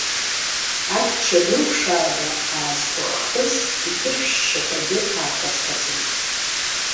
Ачча гәырԥшаага аазқәыххыз иԥышә шьшьақәагьы аақәацқәацеит.